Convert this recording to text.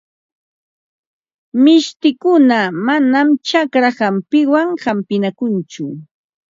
Mishtikuna manam chakra hampiwan hampinakunchu.